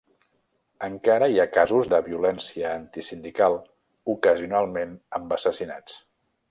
Encara hi ha casos de violència antisindical, ocasionalment amb assassinats.